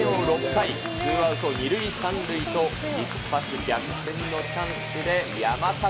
６回、ツーアウト２塁３塁と、一発逆転のチャンスで山崎。